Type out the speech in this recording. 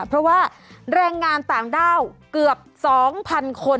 เพราะว่าแรงงานต่างด้าวเกือบ๒๐๐๐คน